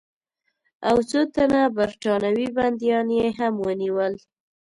او څو تنه برټانوي بندیان یې هم ونیول.